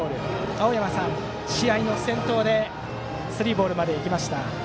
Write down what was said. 青山さん、試合の先頭でスリーボールまで行きました。